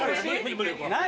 何？